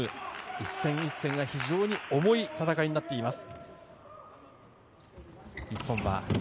一戦一戦が非常に重い戦いになっています。